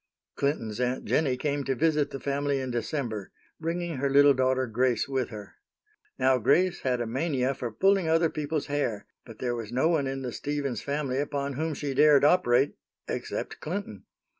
Clinton's Aunt Jennie came to visit the family in December, bringing her little daughter Grace with her. Now Grace had a mania for pulling other people's hair, but there was no one in the Stevens family upon whom she dared operate except Clinton.